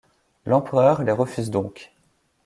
L'empereur les refuse donc.